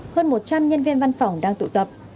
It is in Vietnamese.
hơn một trăm linh nhân viên văn phòng đang tụi mình